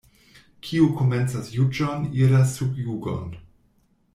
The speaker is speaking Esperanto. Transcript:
Kiu komencas juĝon, iras sub jugon.